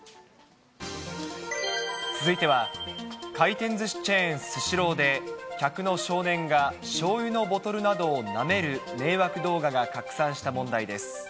続いては、回転ずしチェーン、スシローで客の少年がしょうゆのボトルなどをなめる迷惑動画が拡散した問題です。